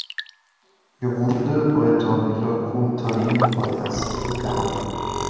Er wurde bei der Villa Contarini bei Este begraben.